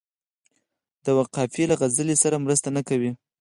دوه قافیې له غزل سره مرسته نه کوي.